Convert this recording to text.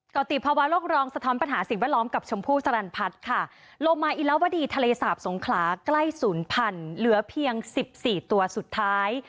ติภาวะโลกรองสะท้อนปัญหาสิ่งแวดล้อมกับชมพู่สรรพัฒน์ค่ะโลมาอิลวดีทะเลสาบสงขลาใกล้ศูนย์พันธุ์เหลือเพียง๑๔ตัวสุดท้าย